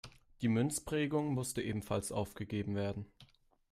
Die Münzprägung musste ebenfalls aufgegeben werden.